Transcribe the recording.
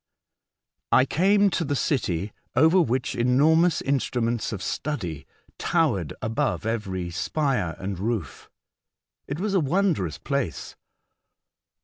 I came to the city over which enormous instruments of study towered above every spire and roof. It was a wondrous place.